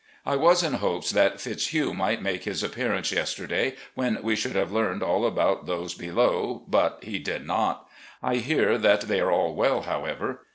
I was in hopes that Fitzhugh might make his appearance yesterday, when we should have learned all about those below, but he did not. I hear that they are all well, however.